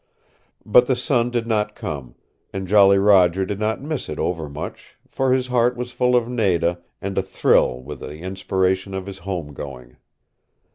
But the sun did not come and Jolly Roger did not miss it over much for his heart was full of Nada, and a thrill with the inspiration of his home going.